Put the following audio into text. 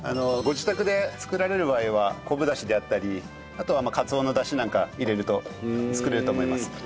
ご自宅で作られる場合は昆布ダシであったりあとはかつおのダシなんか入れると作れると思います。